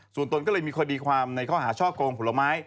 ส่วนตนก็เลยมีคดีความในข้อหาช่อกงผลไม้